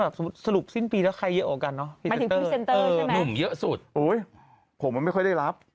หมายถึงพรีเซ็นเตอร์ใช่ไหมหนุ่มเยอะสุดโอ๊ยผมมันไม่ค่อยได้รับ